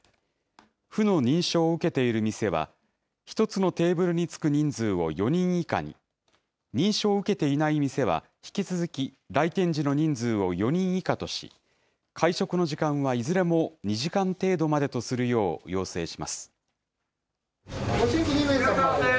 府の認証を受けている店は、１つのテーブルに着く人数を４人以下に、認証を受けていない店は、引き続き来店時の人数を４人以下とし、会食の時間はいずれも２時間程度までとするよう要請します。